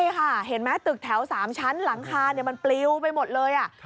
ใช่ค่ะเห็นไหมตึกแถว๓ชั้นหลังคามันปลิวไปหมดเลย